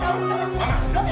tolong bawa bawa polisi tahu